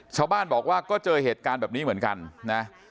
ชาวบ้านบอกว่าก็เจอเหตุการณ์แบบนี้เหมือนกันนะ